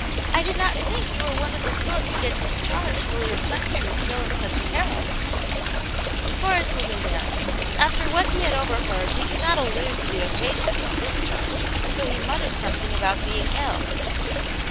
'* I did not think you were one of the sort to get discharged while your country was still in such peril !". Horace was embarrassed. After what he had overheard he could not allude to the occasion of his discharge, so he muttered something about being ill.